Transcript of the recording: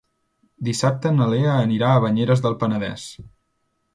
Dissabte na Lea anirà a Banyeres del Penedès.